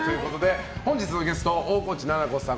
本日のゲストは大河内奈々子さん